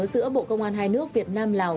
giữa bộ công an hai nước việt nam lào